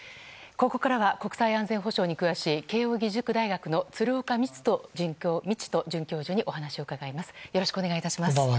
ここからは国際安全保障に詳しい慶應義塾大学の鶴岡路人准教授にお話を伺います。